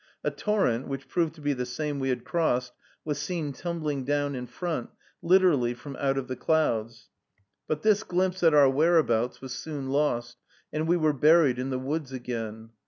A torrent, which proved to be the same we had crossed, was seen tumbling down in front, literally from out of the clouds. But this glimpse at our whereabouts was soon lost, and we were buried in the woods again.